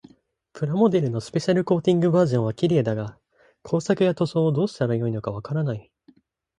プラモデルのスペシャルコーティングバージョンは綺麗だが、工作や塗装をどうしたらよいのかわからない。